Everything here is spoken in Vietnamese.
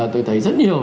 tôi thấy rất nhiều